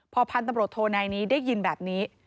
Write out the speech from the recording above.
พอพันธุ์ตำรวจโทนายนี้ได้ยินแบบนี้